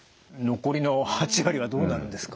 残りの８割はどうなるんですか？